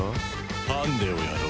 ハンデをやろう。